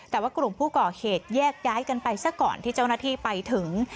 แต่ว่ากลุ่มผู้ก่อเหตุแยกย้ายกันไปซะก่อนที่เจ้าหน้าที่ไปถึง